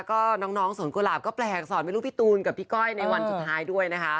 ก็น้องสวนกุหลาบก็แปลกสอนไม่รู้พี่ตูนกับพี่ก้อยในวันสุดท้ายด้วยนะคะ